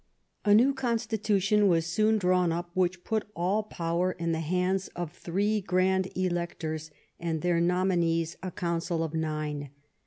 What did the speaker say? A new constitution was soon drawn up which put all poAver in the hands of three grand electors, and their nominees a council of nine.